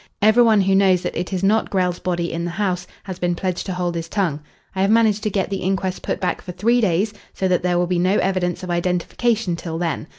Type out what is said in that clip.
"Every one who knows that it is not Grell's body in the house has been pledged to hold his tongue. I have managed to get the inquest put back for three days, so that there will be no evidence of identification till then.